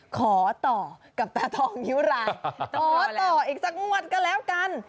ขอต่อกับตาทองนิ้วรายขอต่ออีกสักงวดก็แล้วกัน